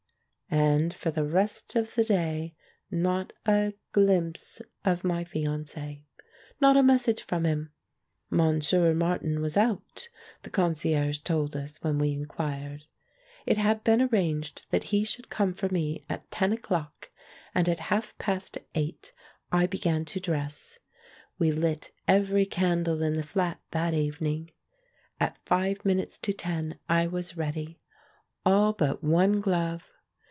And for the rest of the day not a glimpse of my fiance, not a message from him, JNIonsieur Martin was out, the concierge told us when we inquired. It had been arranged that he should come for me at ten o'clock, and at half past eight I began to dress. We lit every candle in the flat that evening. At five minutes to ten I was ready — all but one glove.